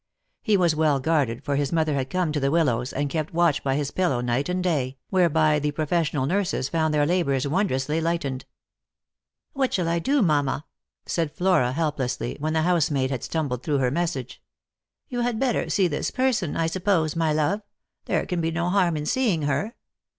He was well guarded, for his mother had come from the Willows, and kept watch by his pillow night and day, whereby the professional nurses found their labours wondrously lightened. " What shall I do, mamma?" said Flora helplessly, when the housemaid had stumbled through her message. " You had better see this person, I suppose, my love. There can be no harm in seeing her."